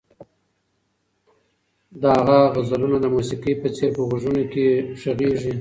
د هغه غزلونه د موسیقۍ په څېر په غوږونو کې غږېږي.